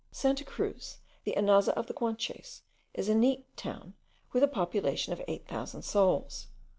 Santa Cruz, the Anaza of the Guanches, is a neat town, with a population of 8000 souls.